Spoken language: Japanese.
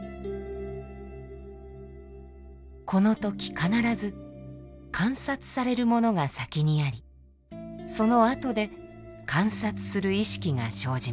この時必ず観察されるものが先にありそのあとで観察する意識が生じます。